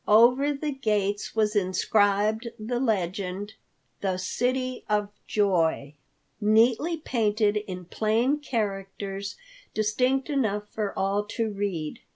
Over the gates was inscribed the legend: THE CITY OF JOY neatly painted in plain characters distinct enough for all to read.